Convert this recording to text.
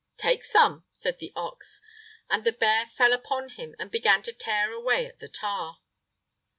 "Take some," said the ox, and the bear fell upon him and began to tear away at the tar.